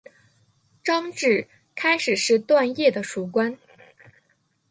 张骘开始是段业的属官。